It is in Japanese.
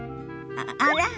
あら？